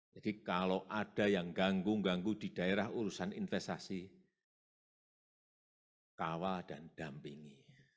jadi kalau ada yang ganggu ganggu di daerah urusan investasi kawal dan dampingi